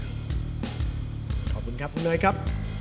ขอบคุณครับคุณเนยครับ